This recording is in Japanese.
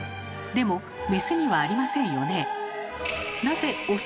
でもメスにはありませんよね。